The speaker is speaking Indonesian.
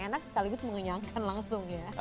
enak sekaligus mengenyangkan langsung ya